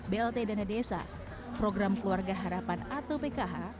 blt dana desa program keluarga harapan atau pkh